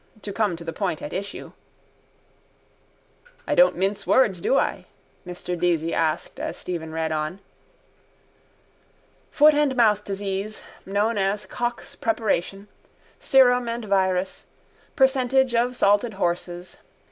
To come to the point at issue. —I don't mince words, do I? Mr Deasy asked as Stephen read on. Foot and mouth disease. Known as Koch's preparation. Serum and virus. Percentage of salted horses.